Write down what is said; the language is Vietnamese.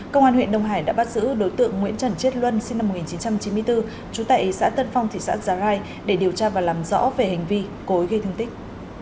công an huyện đông hải đã bắt giữ đối tượng nguyễn trần chiết luân sinh năm một nghìn chín trăm chín mươi bốn trú tại xã tân phong thị xã già rai để điều tra và làm rõ về hành vi cối gây thương tích